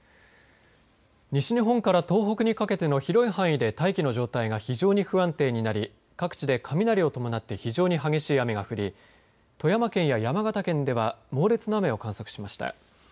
西日本から東北にかけての広い範囲で大気の状態が非常に不安定になり各地で雷を伴って非常に激しい雨が降り富山県や山形県では猛烈な雨を観測しました。